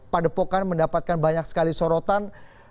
padepokan mendapatkan banyak sekali sorotan